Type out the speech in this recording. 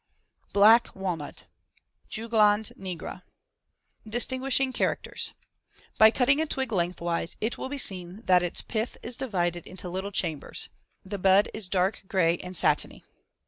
BLACK WALNUT (Juglans nigra) Distinguishing characters: By cutting a twig lengthwise, it will be seen that its *pith* is divided into little chambers as shown in Fig. 71. The bud is dark gray and satiny.